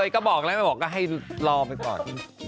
ก็บอกเลยบอกก็ให้รอไปก่อน